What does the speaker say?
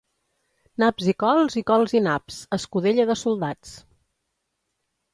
Naps i cols, i cols i naps, escudella de soldats.